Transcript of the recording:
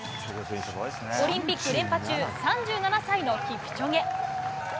オリンピック連覇中、３７歳のキプチョゲ。